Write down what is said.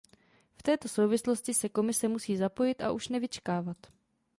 V této souvislosti se Komise musí zapojit a už nevyčkávat.